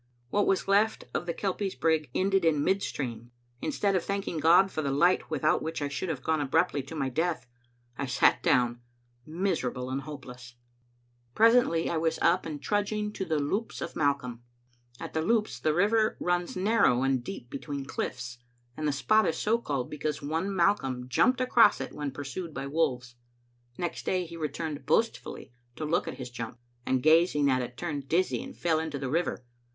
What was left of the Kelpie's brig ended in mid stream. Instead of thanking God for the light without which I should have gone abruptly to my death, I sat down, miserable and hopeless. Digitized by VjOOQ IC Second ^ontnc^ to Zbmme. 318 Presently I was up and trudging to the Loups of Malcolm. At the Loups the river runs narrow and deep between cliffs, and the spot is so called because one Malcolm jumped across it when pursued by wolves. Next day he returned boastfully to look at his jump, and gazing at it turned dizzy and fell into the river.